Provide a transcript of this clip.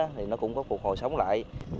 thì nó cũng có phục hồi sống lại